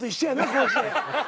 こうして。